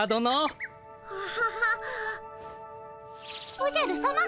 おじゃるさま。